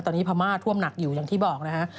ตอนนี้พม่าท่วมหนักอยู่อย่างที่บอกนะฮะ